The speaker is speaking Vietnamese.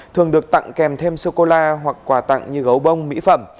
thường được tặng kèm thêm sô cô la hoặc quà tặng như gấu bông mỹ phẩm